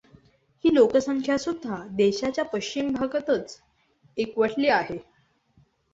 ही लोकसंख्यासुद्धा देशाच्या पश्चिम भागातच एकवटली आहे.